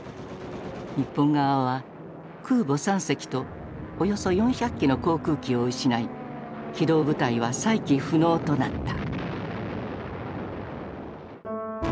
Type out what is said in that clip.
日本側は空母３隻とおよそ４００機の航空機を失い機動部隊は再起不能となった。